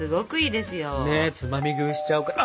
つまみ食いしちゃおうかな。